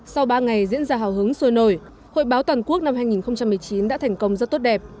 sau ba ngày diễn ra hào hứng sôi nổi hội báo toàn quốc năm hai nghìn một mươi chín đã thành công rất tốt đẹp